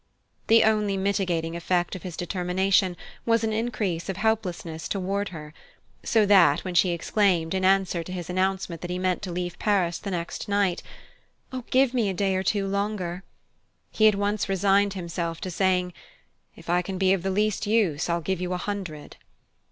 The only mitigating effect of his determination was in an increase of helpless tenderness toward her; so that, when she exclaimed, in answer to his announcement that he meant to leave Paris the next night: "Oh, give me a day or two longer!" he at once resigned himself to saying: "If I can be of the least use, I'll give you a hundred."